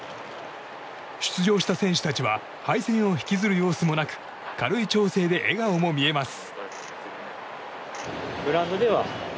出場した選手たちは敗戦を引きずる様子もなく軽い調整で笑顔も見えます。